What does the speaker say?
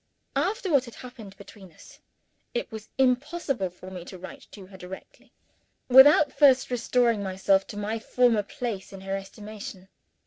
After what had happened between us, it was impossible for me to write to her directly, without first restoring myself to my former place in her estimation.